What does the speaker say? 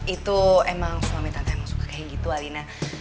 itu emang suami tante yang suka kayak gitu alina